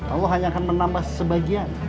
allah hanya akan menambah sebagian